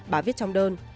bà viết trong đơn